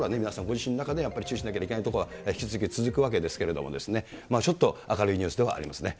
ご自身の中でやっぱり注意しなきゃいけないところは引き続き続くわけですけれどもですね、ちょっと明るいニュースではありますね。